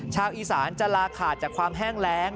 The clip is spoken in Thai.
ชาวอีสานจะลาขาดจากความแห้งแรง